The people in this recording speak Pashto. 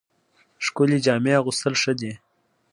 ښکلې جامې اغوستل ښه دي